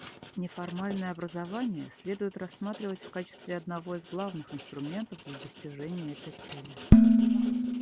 Неформальное образование следует рассматривать в качестве одного из главных инструментов для достижения этой цели.